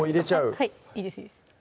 はいいいですいいです